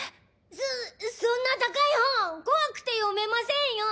そそんな高い本怖くて読めませんよ！